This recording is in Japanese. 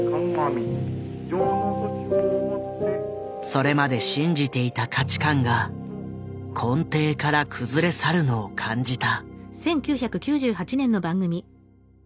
それまで信じていた価値観が根底から崩れ去るのを感じた。